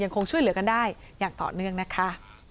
คงช่วยเหลือกันได้อย่างต่อเนื่องนะคะ